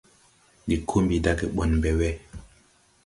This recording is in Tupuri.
Ndi ko mbi dage ɓɔn ɓɛ we.